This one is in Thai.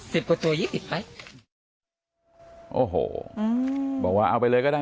กว่าตัวยี่สิบไหมโอ้โหอืมบอกว่าเอาไปเลยก็ได้